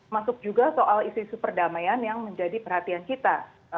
masuk juga soal isu isu perdamaian yang menjadi perhatian kita